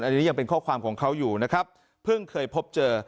อันนี้ยังเป็นข้อความของเขาอยู่นะครับเพิ่งเคยพบเจอ